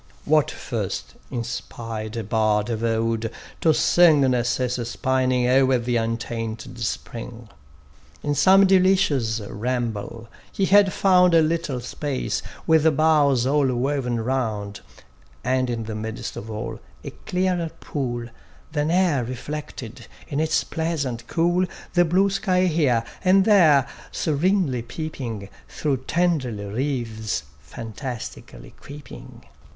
What first inspired a bard of old to sing Narcissus pining o'er the untainted spring? In some delicious ramble, he had found A little space, with boughs all woven round; And in the midst of all, a clearer pool Than e'er reflected in its pleasant cool, The blue sky here, and there, serenly peeping Through tendril wreaths fantastically creeping.